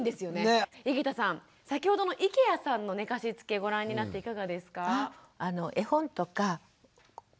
井桁さん先ほどの池谷さんの寝かしつけご覧になっていかがですか？